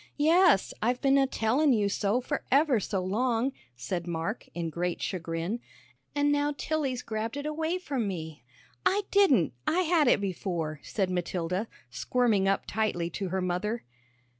"Yes, I've been a tellin' you so for ever so long," said Mark, in great chagrin, "an' now Tilly's grabbed it away from me." "I didn't; I had it before," said Matilda, squirming up tightly to her mother.